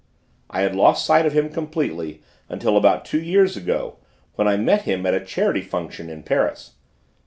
I had lost sight of him completely until about two years ago, when I met him at a charity function in Paris.